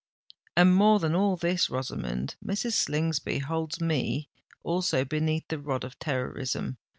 And, more than all this, Rosamond—Mrs. Slingsby holds me also beneath the rod of terrorism!